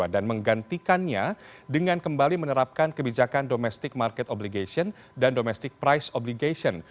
dan menggantikannya dengan kembali menerapkan kebijakan domestic market obligation dan domestic price obligation